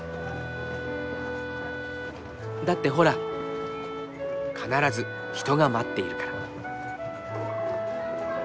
だってほら必ず人が待っているから。